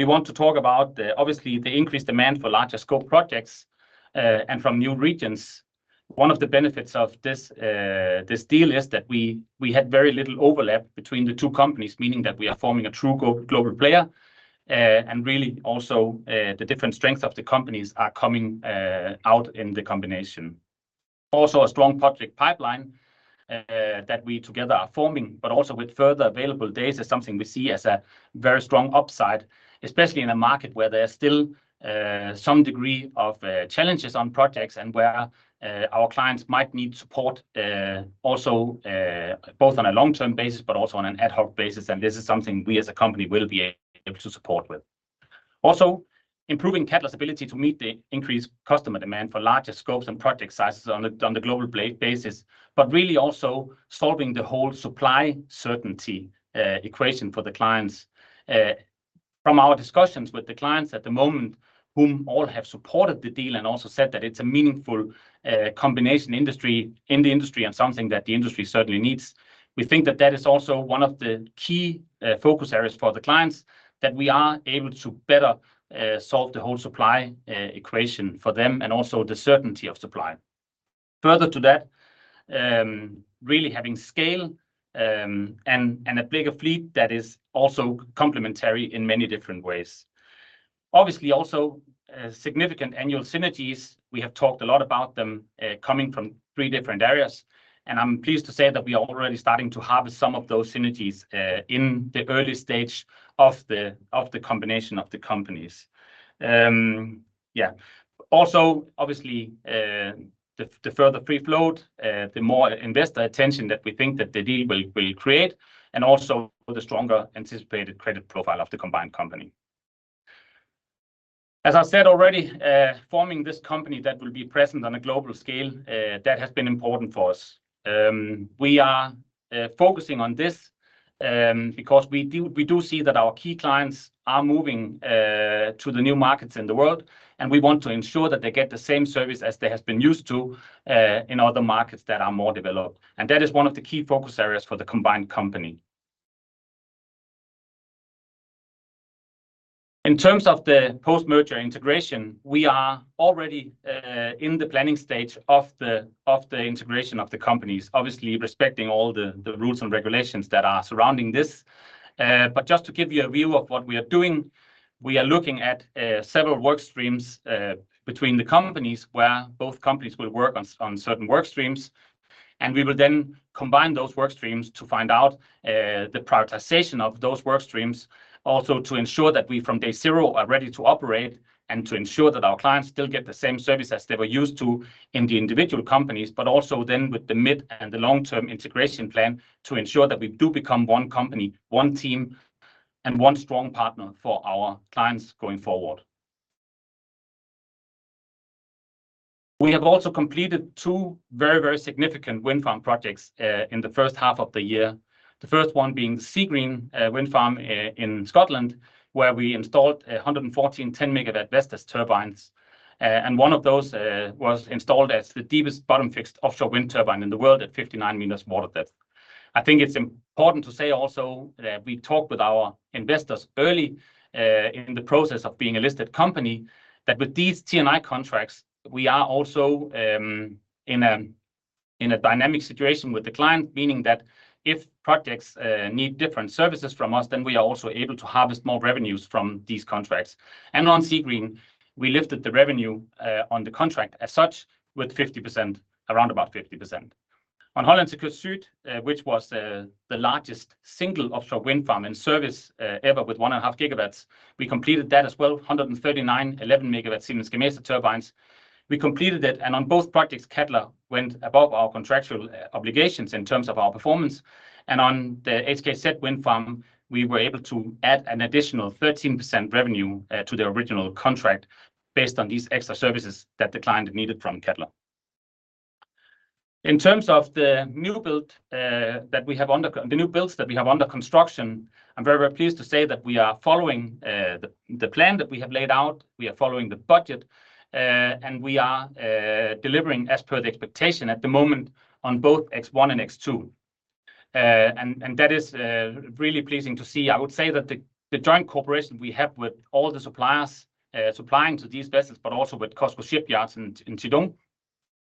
We want to talk about the, obviously, the increased demand for larger scope projects and from new regions. One of the benefits of this this deal is that we we had very little overlap between the two companies, meaning that we are forming a true global player. And really, also, the different strengths of the companies are coming out in the combination. Also, a strong project pipeline that we together are forming, but also with further available days, is something we see as a very strong upside, especially in a market where there are still some degree of challenges on projects and where our clients might need support also both on a long-term basis, but also on an ad hoc basis. And this is something we as a company will be able to support with. Also, improving Cadeler's ability to meet the increased customer demand for larger scopes and project sizes on a global basis, but really also solving the whole supply certainty equation for the clients. From our discussions with the clients at the moment, who all have supported the deal and also said that it's a meaningful combination in the industry, and something that the industry certainly needs. We think that that is also one of the key focus areas for the clients, that we are able to better solve the whole supply equation for them and also the certainty of supply. Further to that, really having scale, and a bigger fleet that is also complementary in many different ways. Obviously, also, significant annual synergies. We have talked a lot about them, coming from three different areas, and I'm pleased to say that we are already starting to harvest some of those synergies, in the early stage of the, of the combination of the companies. Yeah. Also, obviously, the, the further free float, the more investor attention that we think that the deal will, will create, and also the stronger anticipated credit profile of the combined company. As I said already, forming this company that will be present on a global scale, that has been important for us. We are focusing on this because we do, we do see that our key clients are moving to the new markets in the world, and we want to ensure that they get the same service as they have been used to in other markets that are more developed. That is one of the key focus areas for the combined company. In terms of the post-merger integration, we are already in the planning stage of the integration of the companies, obviously respecting all the rules and regulations that are surrounding this. But just to give you a view of what we are doing, we are looking at several work streams between the companies, where both companies will work on certain work streams, and we will then combine those work streams to find out the prioritization of those work streams. Also, to ensure that we, from day zero, are ready to operate, and to ensure that our clients still get the same service as they were used to in the individual companies, but also then with the mid and the long-term integration plan, to ensure that we do become one company, one team, and one strong partner for our clients going forward. We have also completed two very, very significant wind farm projects in the first half of the year. The first one being Seagreen wind farm in Scotland, where we installed 114 10-MW Vestas turbines. And one of those was installed as the deepest bottom-fixed offshore wind turbine in the world at 59m water depth. I think it's important to say also that we talked with our investors early in the process of being a listed company, that with these T&I contracts, we are also in a dynamic situation with the client, meaning that if projects need different services from us, then we are also able to harvest more revenues from these contracts. And on Seagreen, we lifted the revenue on the contract as such, with 50%, around about 50%. On Hollandse Kust Zuid, which was the largest single offshore wind farm and service ever, with 1.5 GW, we completed that as well, 139 11-MW Siemens Gamesa turbines. We completed it, and on both projects, Cadeler went above our contractual obligations in terms of our performance. On the HKZ wind farm, we were able to add an additional 13% revenue to the original contract based on these extra services that the client needed from Cadeler. In terms of the new build that we have under—the new builds that we have under construction, I'm very, very pleased to say that we are following the plan that we have laid out. We are following the budget, and we are delivering as per the expectation at the moment on both X-one and X-two. That is really pleasing to see. I would say that the joint cooperation we have with all the suppliers supplying to these vessels, but also with COSCO shipyards in Qidong,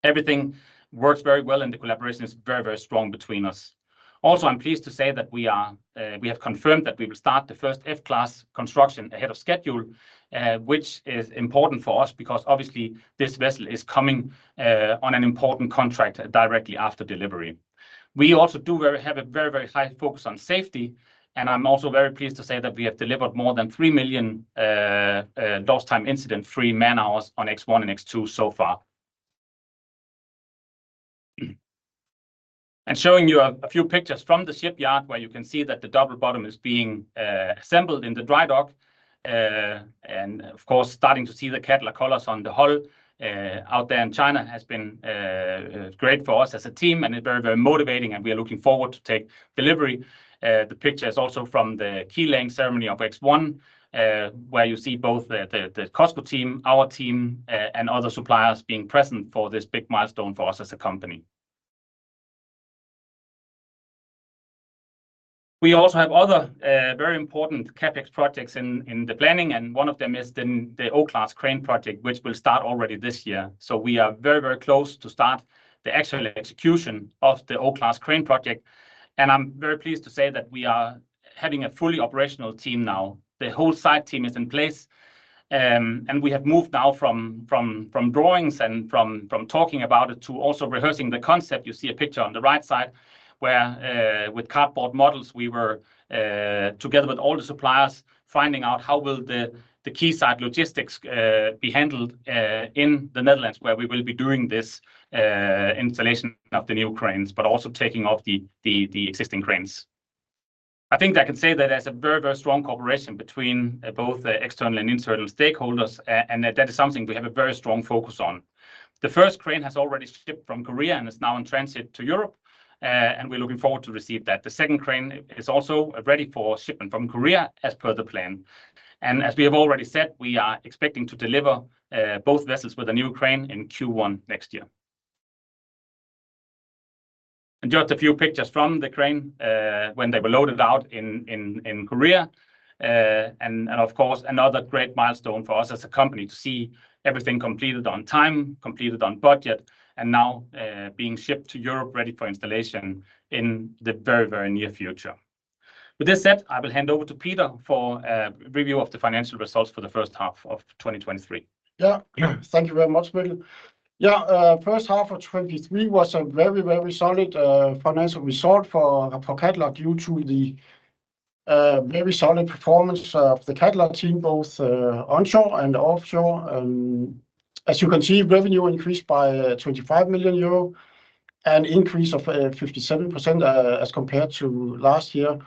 everything works very well, and the collaboration is very, very strong between us. Also, I'm pleased to say that we have confirmed that we will start the first F-class construction ahead of schedule, which is important for us because obviously this vessel is coming on an important contract directly after delivery. We also have a very, very high focus on safety, and I'm also very pleased to say that we have delivered more than 3 million Lost Time Incident-free man-hours on X-one and X-two so far. Showing you a few pictures from the shipyard, where you can see that the double bottom is being assembled in the dry dock, and of course, starting to see the Cadeler colors on the hull out there in China has been great for us as a team and is very, very motivating, and we are looking forward to take delivery. The picture is also from the keel laying ceremony of X-one, where you see both the COSCO team, our team, and other suppliers being present for this big milestone for us as a company. We also have other very important CapEx projects in the planning, and one of them is the O-class crane project, which will start already this year. So we are very, very close to start the actual execution of the O-class crane project, and I'm very pleased to say that we are having a fully operational team now. The whole site team is in place, and we have moved now from drawings and from talking about it to also rehearsing the concept. You see a picture on the right side where with cardboard models we were together with all the suppliers, finding out how will the key site logistics be handled in the Netherlands, where we will be doing this installation of the new cranes, but also taking off the existing cranes. I think I can say that there's a very, very strong cooperation between both the external and internal stakeholders, and that is something we have a very strong focus on. The first crane has already shipped from Korea and is now in transit to Europe, and we're looking forward to receive that. The second crane is also ready for shipment from Korea as per the plan. And as we have already said, we are expecting to deliver both vessels with the new crane in Q1 next year. And just a few pictures from the crane when they were loaded out in Korea. And of course, another great milestone for us as a company to see everything completed on time, completed on budget, and now being shipped to Europe, ready for installation in the very, very near future. With this said, I will hand over to Peter for a review of the financial results for the first half of 2023. Yeah. Thank you very much, Mikkel. Yeah, first half of 2023 was a very, very solid, financial result for, for Cadeler due to the, very solid performance of the Cadeler team, both, onshore and offshore. As you can see, revenue increased by 25 million euro, an increase of 57%, as compared to last year.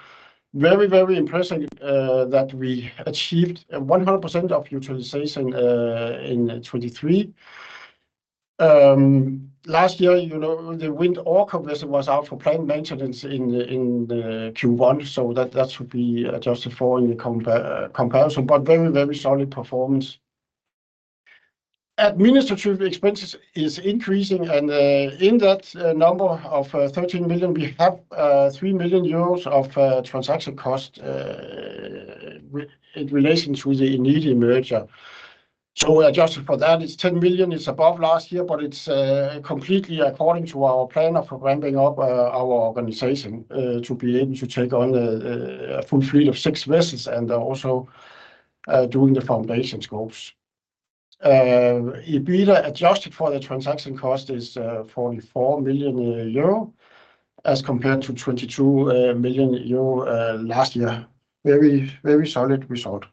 Very, very impressive, that we achieved 100% of utilization, in 2023. Last year, you know, the Wind Orca vessel was out for planned maintenance in, in the Q1, so that, that should be adjusted for in the comparison, but very, very solid performance. Administrative expenses is increasing, and, in that number of 13 million, we have 3 million Euros of transaction cost, in relation to the Eneti merger. So adjusted for that, it's 10 million, it's above last year, but it's completely according to our plan of ramping up our organization to be able to take on a full fleet of six vessels and also doing the foundation scopes. EBITDA, adjusted for the transaction cost, is 44 million euro, as compared to 22 million euro last year. Very, very solid result.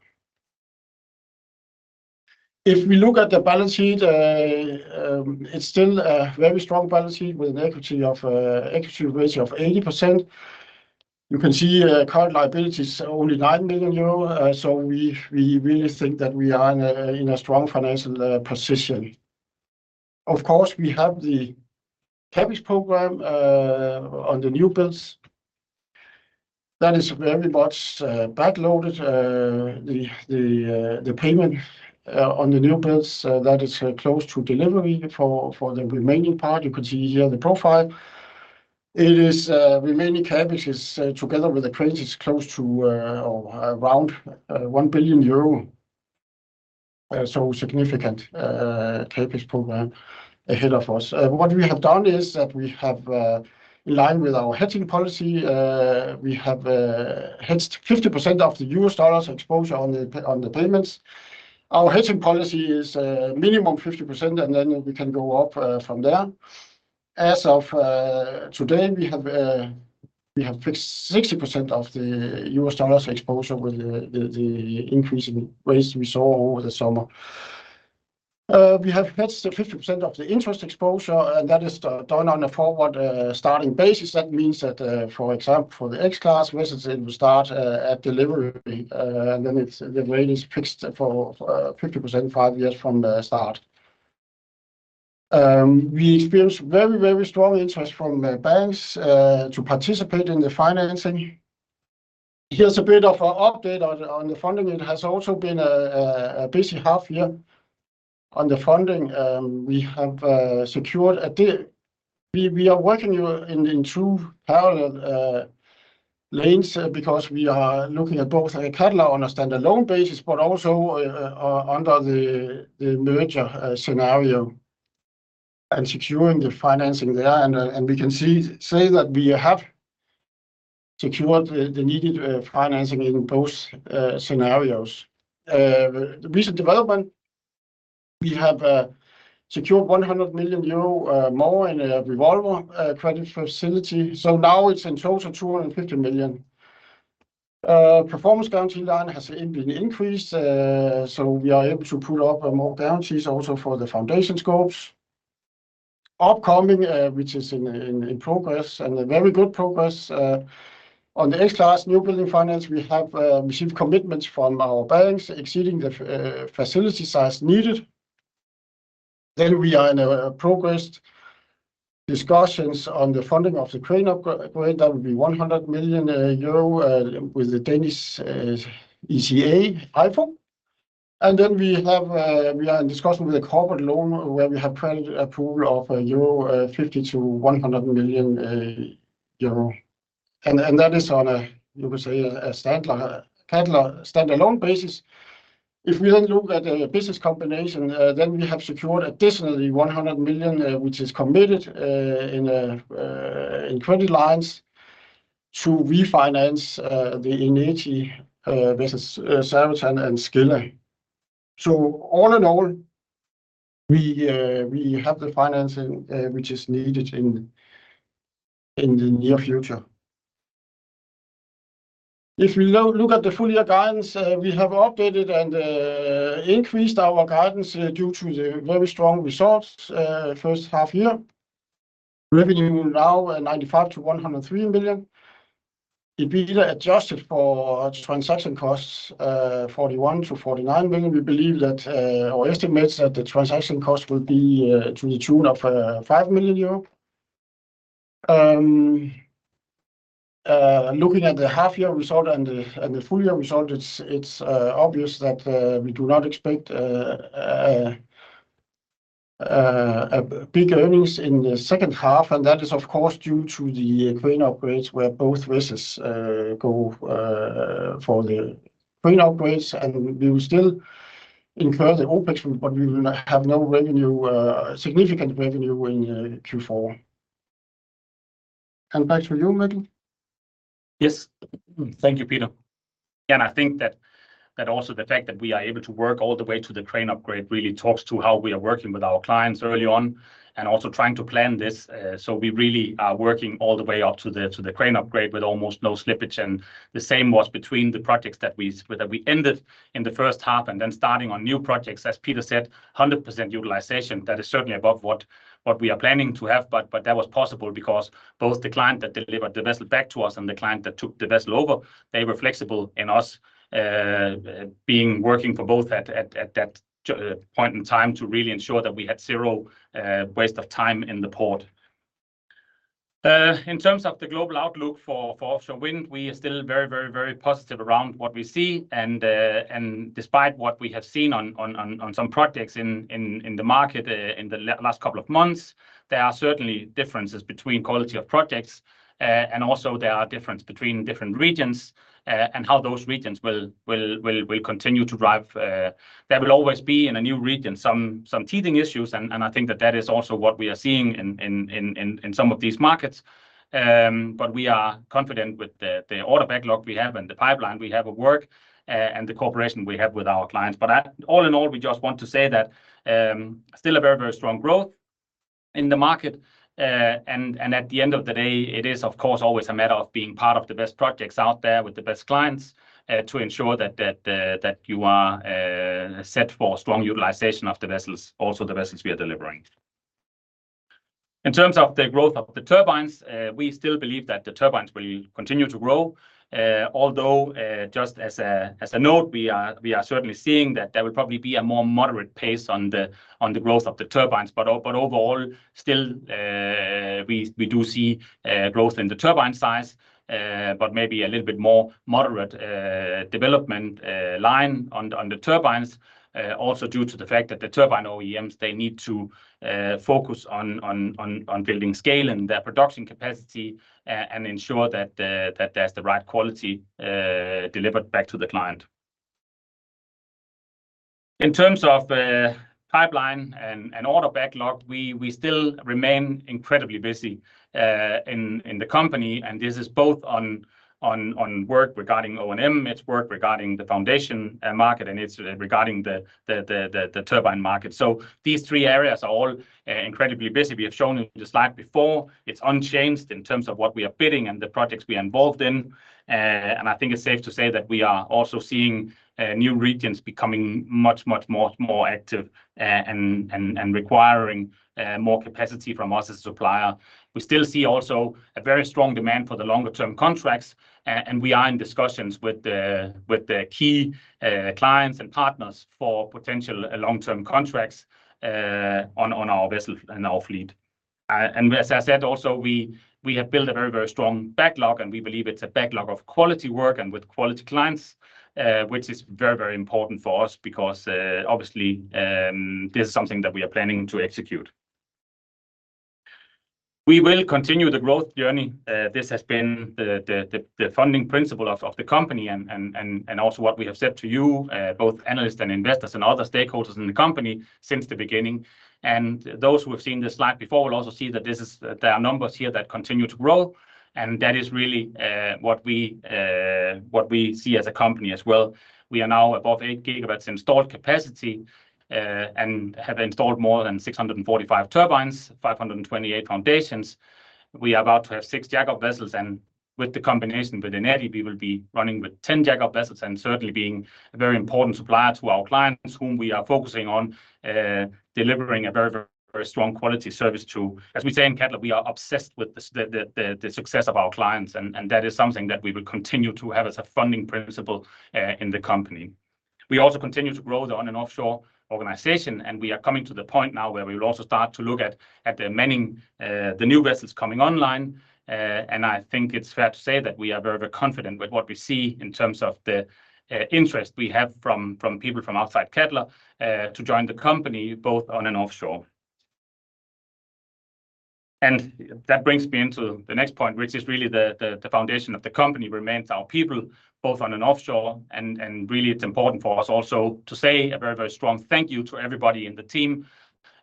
If we look at the balance sheet, it's still a very strong balance sheet with an equity of equity ratio of 80%. You can see current liabilities are only 9 million euro, so we really think that we are in a strong financial position. Of course, we have the CapEx program on the new builds. That is very much backloaded, the payment on the new builds that is close to delivery for the remaining part. You can see here the profile. The remaining CapEx is, together with the credits, close to or around 1 billion euro. So significant CapEx program ahead of us. What we have done is that we have, in line with our hedging policy, hedged 50% of the U.S. dollars exposure on the payments. Our hedging policy is minimum 50%, and then we can go up from there. As of today, we have fixed 60% of the U.S. dollars exposure with the increase in rates we saw over the summer. We have hedged 50% of the interest exposure, and that is done on a forward starting basis. That means that for example, for the X-class vessels, it will start at delivery, and then it's the rate is fixed for 50%, five years from the start. We experienced very, very strong interest from the banks to participate in the financing. Here's a bit of an update on the funding. It has also been a busy half year on the funding. We have secured a deal. We are working in two parallel lanes because we are looking at both Cadeler on a standalone basis, but also under the merger scenario and securing the financing there. We can say that we have secured the needed financing in both scenarios. The recent development, we have secured 100 million euro more in a revolver credit facility, so now it's in total 250 million. Performance guarantee line has indeed been increased, so we are able to pull up more guarantees also for the foundation scopes. Upcoming, which is in progress, and very good progress, on the X-class newbuild finance, we have received commitments from our banks exceeding the facility size needed. Then we are in a progressed discussions on the funding of the crane upgrade. That would be 100 million euro with the Danish ECA, IFU. And then we have, we are in discussion with a corporate loan where we have planned a pool of 50 million-100 million euro. And that is on a, you could say, a stand-alone, Cadeler stand-alone basis. If we then look at the business combination, then we have secured additionally 100 million, which is committed in credit lines to refinance the Eneti vessels, Zaratan and Scylla. So all in all, we have the financing which is needed in the near future. If we look at the full year guidance, we have updated and increased our guidance due to the very strong results first half year. Revenue now, 95 million-103 million. EBITDA, adjusted for transaction costs, 41 million-49 million. We believe that our estimates that the transaction cost will be to the tune of 5 million euro. Looking at the half-year result and the full-year result, it's obvious that we do not expect a big earnings in the second half, and that is, of course, due to the crane upgrades, where both vessels go for the crane upgrades, and we will still incur the OpEx, but we will have no significant revenue in Q4. And back to you, Mikkel. Yes. Thank you, Peter. And I think that also the fact that we are able to work all the way to the crane upgrade really talks to how we are working with our clients early on and also trying to plan this, so we really are working all the way up to the crane upgrade with almost no slippage. And the same was between the projects that we ended in the first half and then starting on new projects. As Peter said, 100% utilization, that is certainly above what we are planning to have. But that was possible because both the client that delivered the vessel back to us and the client that took the vessel over, they were flexible in us working for both at that point in time to really ensure that we had zero waste of time in the port. In terms of the global outlook for offshore wind, we are still very, very, very positive around what we see. And despite what we have seen on some projects in the market in the last couple of months, there are certainly differences between quality of projects, and also there are difference between different regions, and how those regions will continue to drive. There will always be, in a new region, some teething issues, and I think that is also what we are seeing in some of these markets. But we are confident with the order backlog we have and the pipeline we have of work, and the cooperation we have with our clients. But all in all, we just want to say that still a very, very strong growth in the market, and at the end of the day, it is of course, always a matter of being part of the best projects out there with the best clients, to ensure that you are set for strong utilization of the vessels, also the vessels we are delivering. In terms of the growth of the turbines, we still believe that the turbines will continue to grow. Although, just as a note, we are certainly seeing that there will probably be a more moderate pace on the growth of the turbines. But overall, still, we do see growth in the turbine size, but maybe a little bit more moderate development line on the turbines. Also due to the fact that the turbine OEMs, they need to focus on building scale and their production capacity, and ensure that there's the right quality delivered back to the client. In terms of pipeline and order backlog, we still remain incredibly busy in the company, and this is both on work regarding O&M, it's work regarding the foundation market, and it's regarding the turbine market. So these three areas are all incredibly busy. We have shown in the slide before, it's unchanged in terms of what we are bidding and the projects we are involved in. And I think it's safe to say that we are also seeing new regions becoming much more active, and requiring more capacity from us as a supplier. We still see also a very strong demand for the longer-term contracts, and we are in discussions with the key clients and partners for potential long-term contracts on our vessel and our fleet. And as I said, also, we have built a very, very strong backlog, and we believe it's a backlog of quality work and with quality clients, which is very, very important for us because, obviously, this is something that we are planning to execute. We will continue the growth journey. This has been the founding principle of the company and also what we have said to you, both analysts and investors and other stakeholders in the company since the beginning. Those who have seen this slide before will also see that this is, there are numbers here that continue to grow, and that is really what we, what we see as a company as well. We are now above 8 GW installed capacity, and have installed more than 645 turbines, 528 foundations. We are about to have six jackup vessels, and with the combination with Eneti, we will be running with 10 jackup vessels and certainly being a very important supplier to our clients, whom we are focusing on, delivering a very, very strong quality service to. As we say in Cadeler, we are obsessed with the success of our clients, and that is something that we will continue to have as a founding principle in the company. We also continue to grow the on and offshore organization, and we are coming to the point now where we will also start to look at the many new vessels coming online. And I think it's fair to say that we are very, very confident with what we see in terms of the interest we have from people from outside Cadeler to join the company, both on and offshore. And that brings me into the next point, which is really the foundation of the company remains our people, both on and offshore. And really, it's important for us also to say a very, very strong thank you to everybody in the team.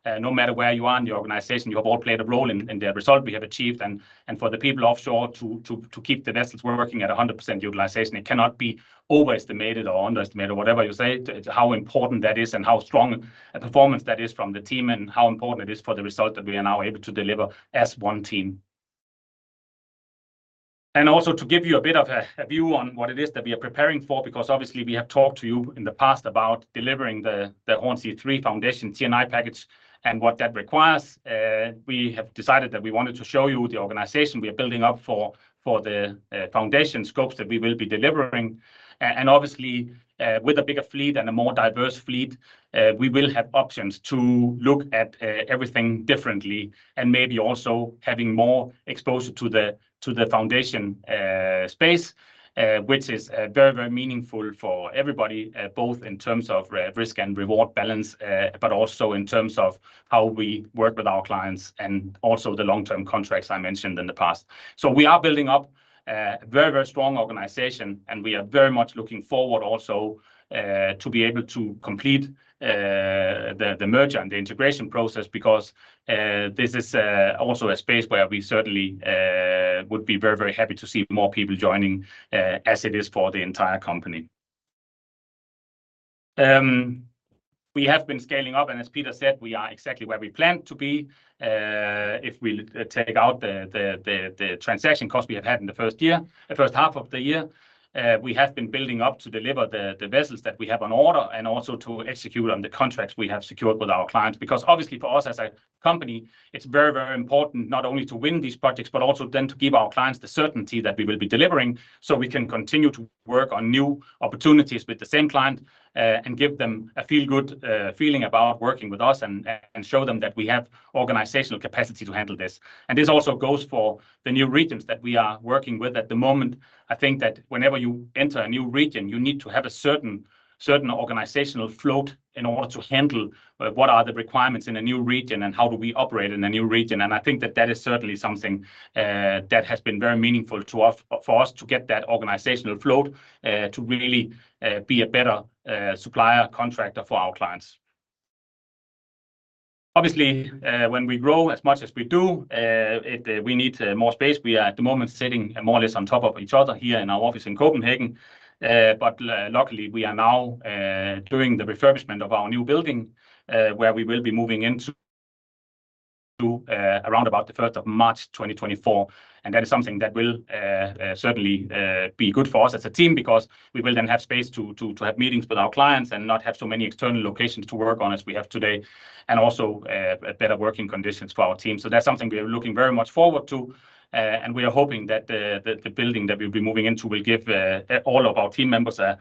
No matter where you are in the organization, you have all played a role in the result we have achieved, and for the people offshore to keep the vessels, we're working at 100% utilization. It cannot be overestimated or underestimated or whatever you say, how important that is and how strong a performance that is from the team, and how important it is for the result that we are now able to deliver as one team. Also to give you a bit of a view on what it is that we are preparing for, because obviously, we have talked to you in the past about delivering the Hornsea 3 foundation T&I package and what that requires. We have decided that we wanted to show you the organization we are building up for the foundation scopes that we will be delivering. And obviously, with a bigger fleet and a more diverse fleet, we will have options to look at everything differently, and maybe also having more exposure to the foundation space, which is very, very meaningful for everybody, both in terms of risk and reward balance, but also in terms of how we work with our clients and also the long-term contracts I mentioned in the past. So we are building up a very, very strong organization, and we are very much looking forward also to be able to complete the merger and the integration process because this is also a space where we certainly would be very, very happy to see more people joining as it is for the entire company. We have been scaling up, and as Peter said, we are exactly where we planned to be. If we take out the transaction cost we have had in the first year, the first half of the year, we have been building up to deliver the vessels that we have on order and also to execute on the contracts we have secured with our clients. Because obviously, for us as a company, it's very, very important not only to win these projects, but also then to give our clients the certainty that we will be delivering, so we can continue to work on new opportunities with the same client, and give them a feel good feeling about working with us and show them that we have organizational capacity to handle this. This also goes for the new regions that we are working with at the moment. I think that whenever you enter a new region, you need to have a certain organizational float in order to handle what are the requirements in a new region and how do we operate in a new region. And I think that that is certainly something that has been very meaningful to offshore for us to get that organizational float to really be a better supplier contractor for our clients. Obviously, when we grow as much as we do, we need more space. We are at the moment sitting more or less on top of each other here in our office in Copenhagen. But luckily, we are now doing the refurbishment of our new building where we will be moving into around about the first of March 2024. That is something that will certainly be good for us as a team because we will then have space to have meetings with our clients and not have so many external locations to work on as we have today, and also a better working conditions for our team. So that's something we are looking very much forward to, and we are hoping that the building that we'll be moving into will give all of our team members a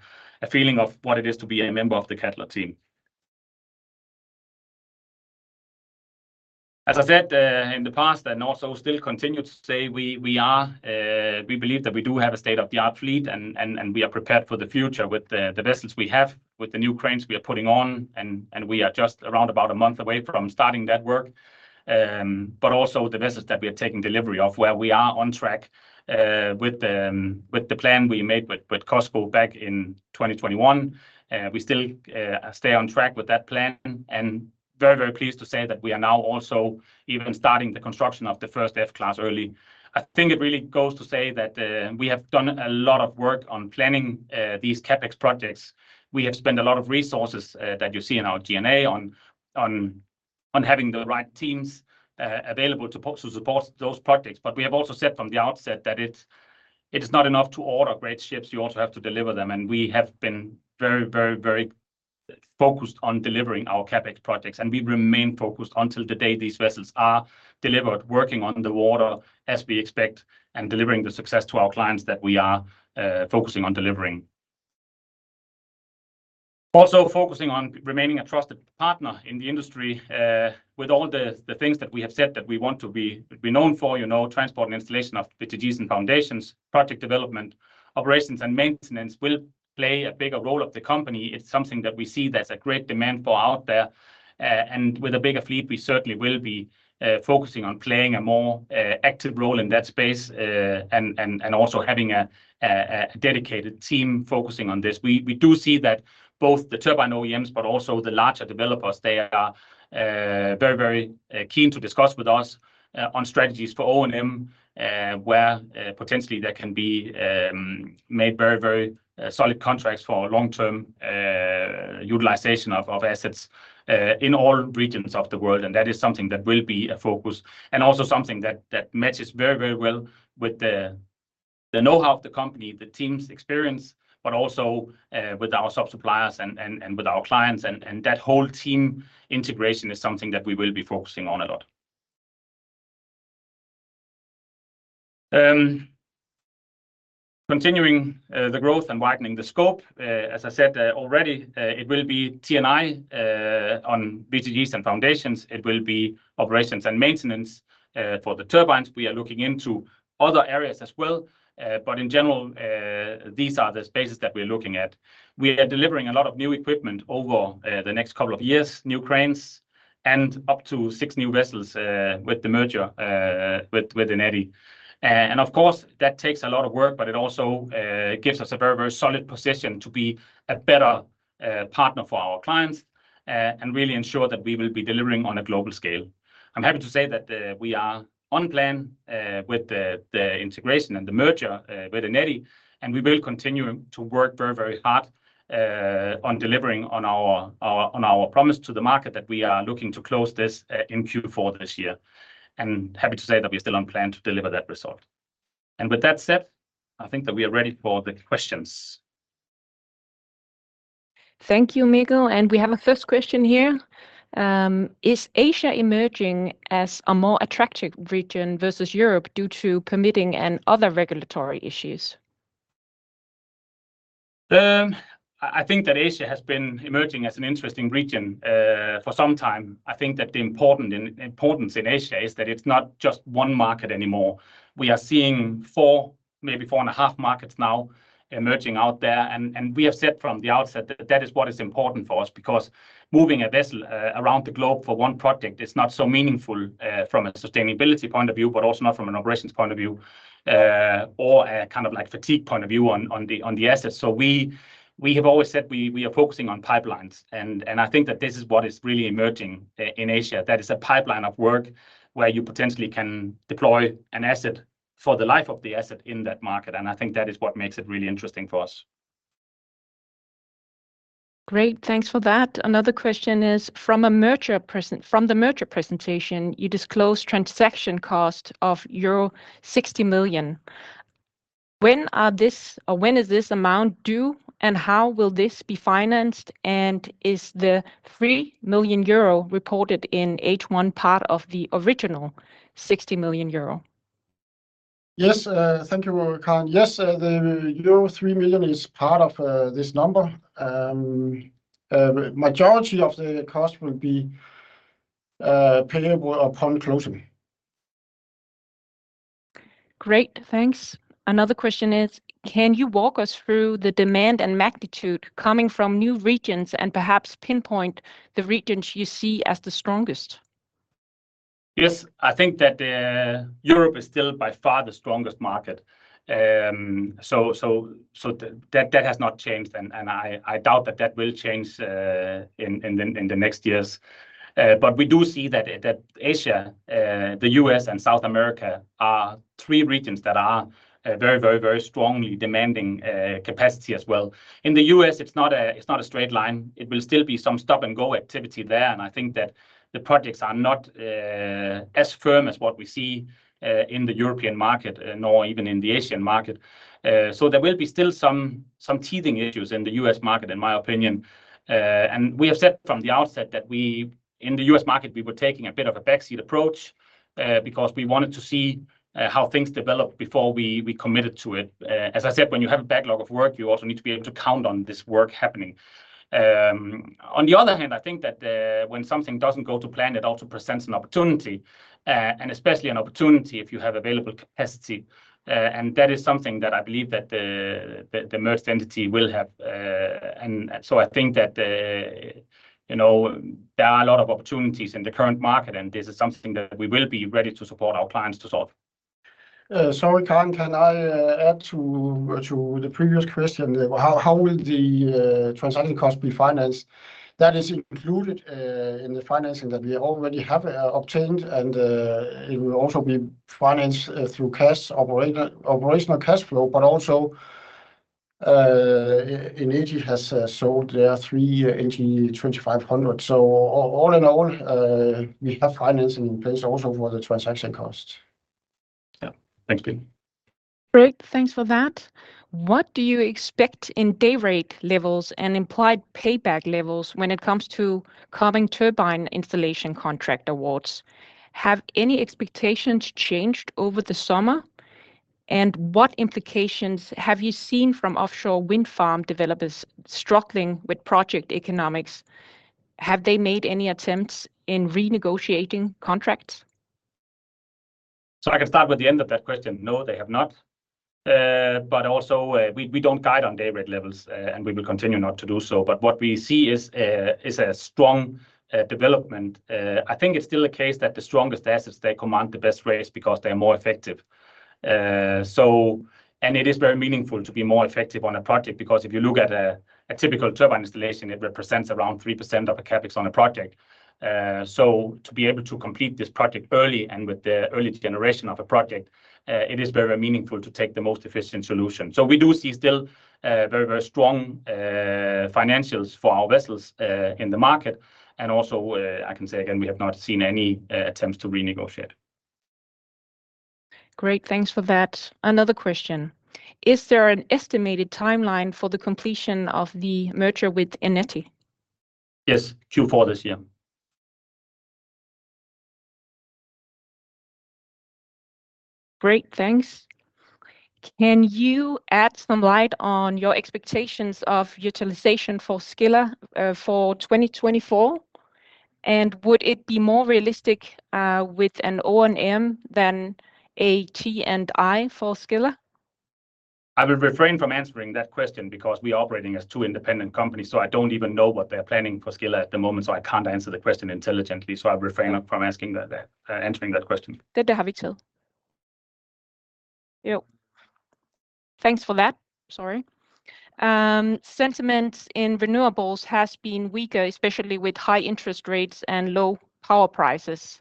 feeling of what it is to be a member of the Cadeler team. As I said in the past and also still continue to say, we are. We believe that we do have a state-of-the-art fleet, and we are prepared for the future with the vessels we have, with the new cranes we are putting on, and we are just around about a month away from starting that work. But also the vessels that we are taking delivery of, where we are on track with the plan we made with COSCO back in 2021, we still stay on track with that plan, and very, very pleased to say that we are now also even starting the construction of the first F-class early. I think it really goes to say that we have done a lot of work on planning these CapEx projects. We have spent a lot of resources that you see in our DNA on having the right teams available to support those projects. But we have also said from the outset that it's not enough to order great ships, you also have to deliver them, and we have been very, very, very focused on delivering our CapEx projects, and we remain focused until the day these vessels are delivered, working on the water as we expect, and delivering the success to our clients that we are focusing on delivering. Also focusing on remaining a trusted partner in the industry with all the things that we have said that we want to be known for, you know, transport and installation of WTG foundations, project development, operations and maintenance will play a bigger role of the company. It's something that we see there's a great demand for out there, and with a bigger fleet, we certainly will be focusing on playing a more active role in that space, and also having a dedicated team focusing on this. We do see that both the turbine OEMs, but also the larger developers, they are very, very keen to discuss with us on strategies for O&M, where potentially there can be made very, very solid contracts for long-term utilization of assets in all regions of the world. And that is something that will be a focus and also something that matches very, very well with the know-how of the company, the team's experience, but also with our sub-suppliers and with our clients. That whole team integration is something that we will be focusing on a lot. Continuing the growth and widening the scope, as I said, already, it will be T&I on WTGs and foundations. It will be operations and maintenance for the turbines. We are looking into other areas as well, but in general, these are the spaces that we're looking at. We are delivering a lot of new equipment over the next couple of years, new cranes, and up to six new vessels with the merger with Eneti. And of course, that takes a lot of work, but it also gives us a very, very solid position to be a better partner for our clients, and really ensure that we will be delivering on a global scale. I'm happy to say that we are on plan with the integration and the merger with Eneti, and we will continue to work very, very hard on delivering on our promise to the market, that we are looking to close this in Q4 this year. Happy to say that we're still on plan to deliver that result. With that said, I think that we are ready for the questions. Thank you, Mikkel. We have a first question here. Is Asia emerging as a more attractive region versus Europe due to permitting and other regulatory issues? I think that Asia has been emerging as an interesting region for some time. I think that the important and importance in Asia is that it's not just one market anymore. We are seeing four, maybe four and a half markets now emerging out there, and we have said from the outset that that is what is important for us. Because moving a vessel around the globe for one project is not so meaningful from a sustainability point of view, but also not from an operations point of view, or a kind of like fatigue point of view on the assets. So we have always said we are focusing on pipelines, and I think that this is what is really emerging in Asia. That is a pipeline of work where you potentially can deploy an asset for the life of the asset in that market, and I think that is what makes it really interesting for us. Great, thanks for that. Another question is, from the merger presentation, you disclosed transaction cost of euro 60 million. When are this or when is this amount due, and how will this be financed? And is the 3 million euro reported in H1 part of the original 60 million euro? Yes, thank you, Karen. Yes, the euro 3 million is part of this number. Majority of the cost will be payable upon closing. Great, thanks. Another question is, can you walk us through the demand and magnitude coming from new regions and perhaps pinpoint the regions you see as the strongest? Yes. I think that Europe is still by far the strongest market. So that has not changed, and I doubt that that will change in the next years. But we do see that Asia, the U.S., and South America are three regions that are very, very, very strongly demanding capacity as well. In the U.S., it's not a straight line. It will still be some stop-and-go activity there, and I think that the projects are not as firm as what we see in the European market, nor even in the Asian market. So there will be still some teething issues in the US market, in my opinion. We have said from the outset that we, in the U.S. market, we were taking a bit of a backseat approach, because we wanted to see how things developed before we committed to it. As I said, when you have a backlog of work, you also need to be able to count on this work happening. On the other hand, I think that, when something doesn't go to plan, it also presents an opportunity, and especially an opportunity if you have available capacity. And that is something that I believe that the merged entity will have. And so I think that, you know, there are a lot of opportunities in the current market, and this is something that we will be ready to support our clients to solve. Sorry, Karen, can I add to the previous question? How will the transaction cost be financed? That is included in the financing that we already have obtained, and it will also be financed through cash operational cash flow, but also Eneti has sold their three NG 2500. So all in all, we have financing in place also for the transaction costs. Yeah. Thank you. Great, thanks for that. What do you expect in dayrate levels and implied payback levels when it comes to offshore turbine installation contract awards? Have any expectations changed over the summer, and what implications have you seen from offshore wind farm developers struggling with project economics? Have they made any attempts in renegotiating contracts? So I can start with the end of that question: No, they have not. But also, we, we don't guide on dayrate levels, and we will continue not to do so, but what we see is a strong development. I think it's still a case that the strongest assets, they command the best rates because they're more effective. So, and it is very meaningful to be more effective on a project, because if you look at a typical turbine installation, it represents around 3% of the CapEx on a project. So to be able to complete this project early and with the early generation of a project, it is very meaningful to take the most efficient solution. So we do see still, very, very strong financials for our vessels, in the market. Also, I can say again, we have not seen any attempts to renegotiate. Great, thanks for that. Another question: Is there an estimated timeline for the completion of the merger with Eneti? Yes, Q4 this year. Great, thanks. Can you add some light on your expectations of utilization for Scylla, for 2024, and would it be more realistic, with an O&M than a T&I for Scylla? I will refrain from answering that question because we are operating as two independent companies, so I don't even know what they're planning for Scylla at the moment, so I can't answer the question intelligently. So I refrain from answering that question. Good to have you, too. Yep. Thanks for that. Sorry. Sentiment in renewables has been weaker, especially with high interest rates and low power prices.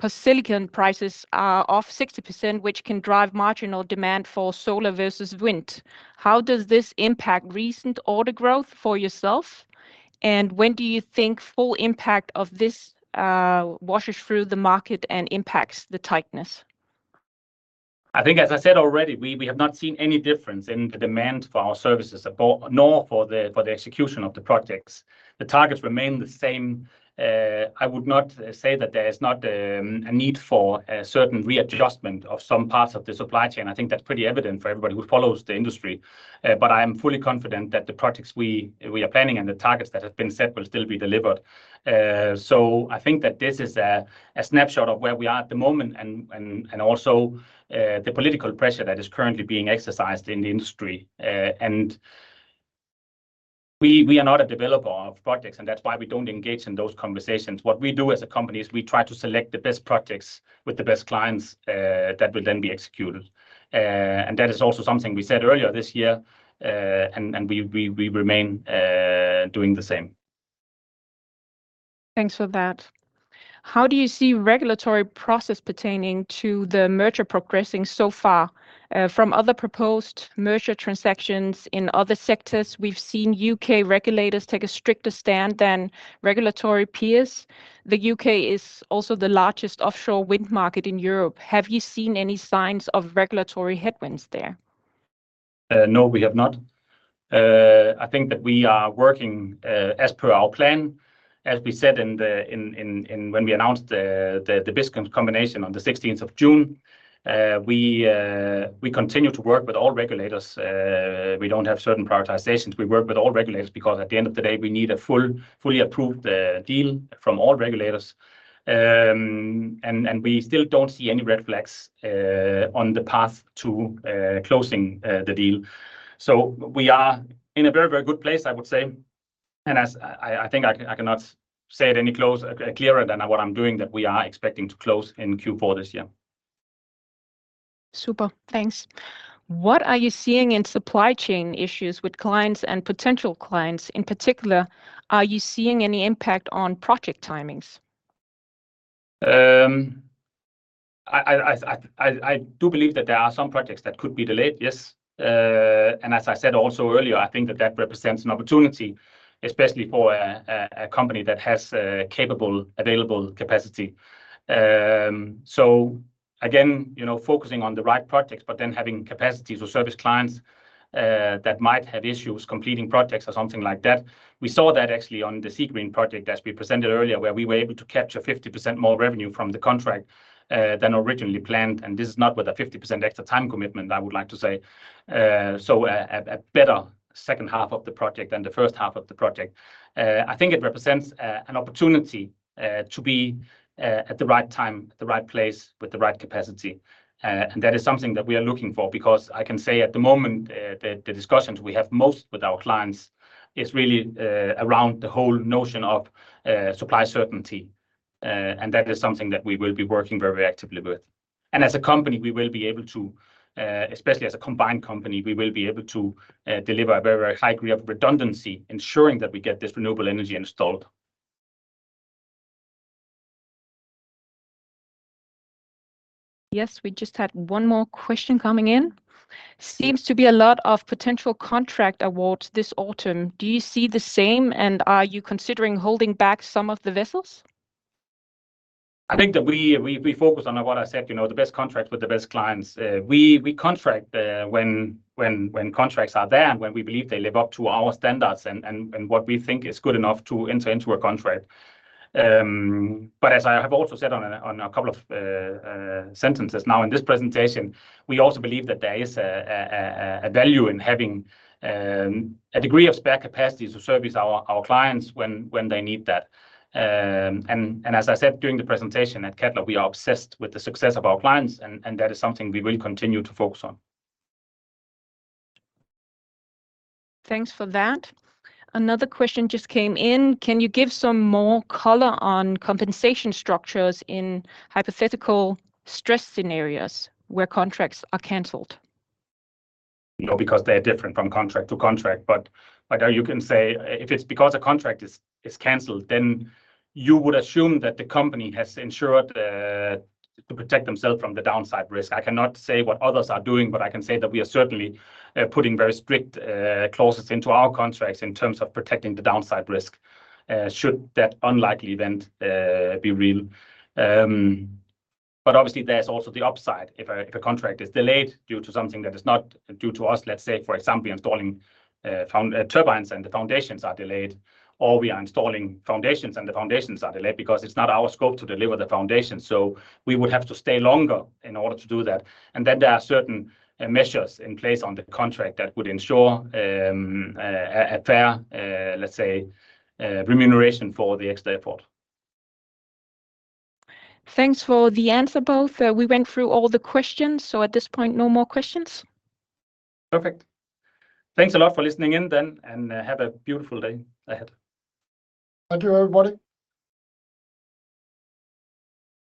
Polysilicon prices are off 60%, which can drive marginal demand for solar versus wind. How does this impact recent order growth for yourself, and when do you think full impact of this washes through the market and impacts the tightness? I think, as I said already, we have not seen any difference in the demand for our services at all, nor for the execution of the projects. The targets remain the same. I would not say that there is not a need for a certain readjustment of some parts of the supply chain. I think that's pretty evident for everybody who follows the industry. But I am fully confident that the projects we are planning and the targets that have been set will still be delivered. So I think that this is a snapshot of where we are at the moment and also the political pressure that is currently being exercised in the industry. And we are not a developer of projects, and that's why we don't engage in those conversations. What we do as a company is we try to select the best projects with the best clients that will then be executed. And that is also something we said earlier this year, and we remain doing the same. Thanks for that. How do you see regulatory process pertaining to the merger progressing so far? From other proposed merger transactions in other sectors, we've seen U.K. regulators take a stricter stand than regulatory peers. The U.K. is also the largest offshore wind market in Europe. Have you seen any signs of regulatory headwinds there? No, we have not. I think that we are working as per our plan. As we said when we announced the business combination on the sixteenth of June, we continue to work with all regulators. We don't have certain prioritizations. We work with all regulators because at the end of the day, we need a fully approved deal from all regulators. And we still don't see any red flags on the path to closing the deal. So we are in a very, very good place, I would say. And I cannot say it any clearer than what I'm doing, that we are expecting to close in Q4 this year. Super. Thanks. What are you seeing in supply chain issues with clients and potential clients? In particular, are you seeing any impact on project timings? I do believe that there are some projects that could be delayed. Yes. And as I said also earlier, I think that that represents an opportunity, especially for a company that has a capable available capacity. So again, you know, focusing on the right projects, but then having capacities or service clients that might have issues completing projects or something like that. We saw that actually on the Seagreen project as we presented earlier, where we were able to capture 50% more revenue from the contract than originally planned, and this is not with a 50% extra time commitment, I would like to say. So a better second half of the project than the first half of the project. I think it represents an opportunity to be at the right time, at the right place, with the right capacity. And that is something that we are looking for because I can say at the moment, the discussions we have most with our clients is really around the whole notion of supply certainty. And that is something that we will be working very actively with. And as a company, we will be able to, especially as a combined company, we will be able to deliver a very, very high degree of redundancy, ensuring that we get this renewable energy installed. Yes, we just had one more question coming in. Seems to be a lot of potential contract awards this autumn. Do you see the same, and are you considering holding back some of the vessels? I think that we focus on what I said, you know, the best contracts with the best clients. We contract when contracts are there and when we believe they live up to our standards and what we think is good enough to enter into a contract. But as I have also said on a couple of sentences now in this presentation, we also believe that there is a value in having a degree of spare capacity to service our clients when they need that. And as I said during the presentation at Cadeler, we are obsessed with the success of our clients, and that is something we will continue to focus on. Thanks for that. Another question just came in: Can you give some more color on compensation structures in hypothetical stress scenarios where contracts are canceled? No, because they are different from contract to contract. But you can say if it's because a contract is canceled, then you would assume that the company has ensured to protect themselves from the downside risk. I cannot say what others are doing, but I can say that we are certainly putting very strict clauses into our contracts in terms of protecting the downside risk should that unlikely event be real. But obviously, there's also the upside. If a contract is delayed due to something that is not due to us, let's say, for example, installing turbines and the foundations are delayed, or we are installing foundations and the foundations are delayed because it's not our scope to deliver the foundations, so we would have to stay longer in order to do that. And then there are certain measures in place on the contract that would ensure a fair, let's say, remuneration for the extra effort. Thanks for the answer, both. We went through all the questions, so at this point, no more questions. Perfect. Thanks a lot for listening in, then, and have a beautiful day ahead. Thank you, everybody.